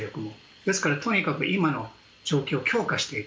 ですから、とにかく今の状況を強化していく。